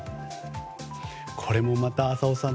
これもまた浅尾さん